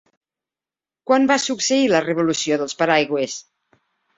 Quan va succeir la Revolució dels Paraigües?